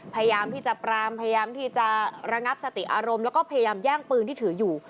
พยายามที่จะปรามพยายามที่จะระงับสติอารมณ์แล้วก็พยายามแย่งปืนที่ถืออยู่